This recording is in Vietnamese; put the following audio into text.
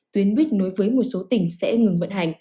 tuyến buýt nối với một số tỉnh sẽ ngừng vận hành